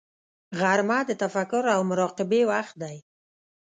غرمه د تفکر او مراقبې وخت دی